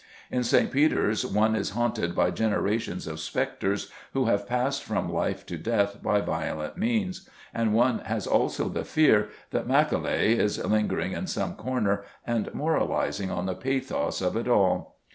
In St. Peter's one is haunted by generations of spectres who have passed from life to death by violent means, and one has also the fear that Macaulay is lingering in some corner and moralising on the pathos of it all.